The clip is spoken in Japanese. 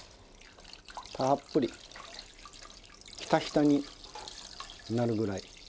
たっぷりひたひたになるぐらい。